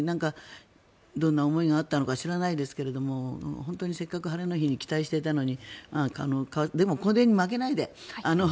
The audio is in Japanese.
どんな思いがあったのか知らないですが本当にせっかく晴れの日に期待していたのに。